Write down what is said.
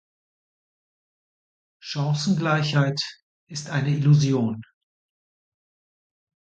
Chancengleichheit ist eine Illusion.